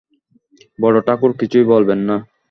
বড়োঠাকুর কিছুই বলবেন না।